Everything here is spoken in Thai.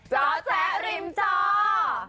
เจ้าแจ๊กริมเจ้า